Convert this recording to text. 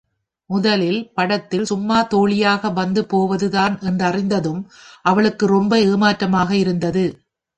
முதலில், படத்தில் சும்மா தோழியாக வந்து போவது தான் என்றறிந்ததும் அவளுக்கு ரொம்ப ஏமாற்றமாக இருந்தது.